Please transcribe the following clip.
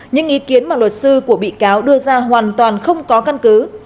những ý kiến mà luật sư của bị cáo đưa ra hoàn toàn không có căn cứ